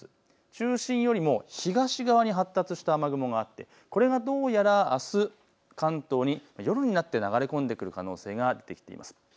中心よりも東側に発達した雨雲があってこれがどうやらあす、関東に夜になって流れ込んでくる可能性が出てきています。